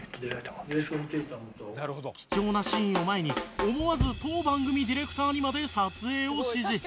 貴重なシーンを前に思わず当番組ディレクターにまで撮影を指示。